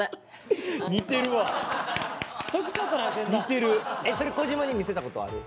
えそれ小島に見せたことある？